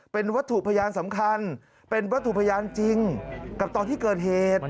เป็นวัตถุพยานสำคัญเป็นวัตถุพยานจริงกับตอนที่เกิดเหตุ